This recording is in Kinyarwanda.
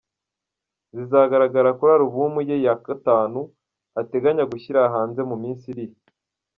zizagaragara kuri alubumu ye ya gatanu ateganya gushyira hanze mu minsi iri.